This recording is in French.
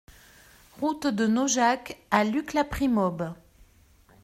Route de Naujac à Luc-la-Primaube